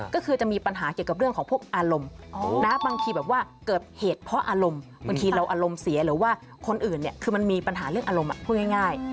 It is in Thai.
ก็คือจะมีปัญหาเกี่ยวกับเรื่องของพวกอารมณ์บางทีแบบว่าเกิดเหตุเพราะอารมณ์บางทีเราอารมณ์เสียหรือว่าคนอื่นเนี่ยคือมันมีปัญหาเรื่องอารมณ์พูดง่าย